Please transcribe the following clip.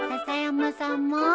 笹山さんも？